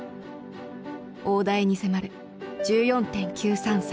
大台に迫る１４．９３３。